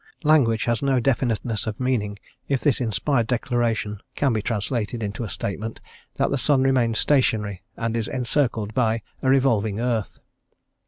Language has no definiteness of meaning if this inspired declaration can be translated into a statement that the sun remains stationary and is encircled by a revolving earth.